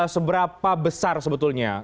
seberapa besar sebetulnya